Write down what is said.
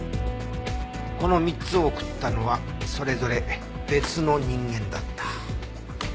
この３つを贈ったのはそれぞれ別の人間だった。